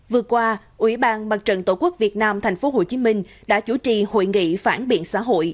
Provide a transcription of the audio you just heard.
vừa qua ủy ban bàn trận tổ quốc việt nam thành phố hồ chí minh đã chủ trì hội nghị phản biện xã hội